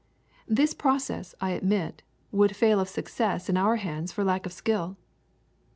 This pro cess, I admit, would fail of success in our hands for lack of skill.